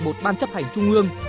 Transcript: một ban chấp hành trung ương